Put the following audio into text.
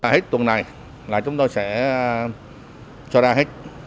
hết tuần này là chúng tôi sẽ cho ra hết